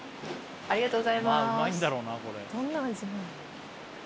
ありがとうございます。